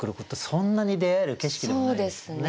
そんなに出会える景色でもないですもんね。